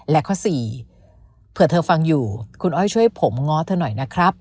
และข้อสี่เผื่อเธอฟังอยู่คุณอ้อยช่วยผมง้อเธอหน่อยนะครับ